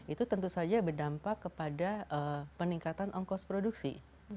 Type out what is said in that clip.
itu tentu saja berdampak kepada peningkatan ongkos produksi